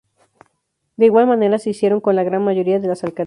De igual manera se hicieron con la gran mayoría de las alcaldías.